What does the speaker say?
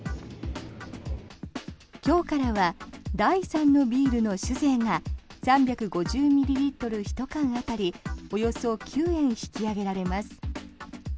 今日からは第３のビールの酒税が３５０ミリリットル１缶当たりおよそ９円引き上げられます。